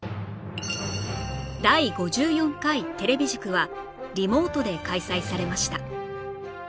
第５４回テレビ塾はリモートで開催されました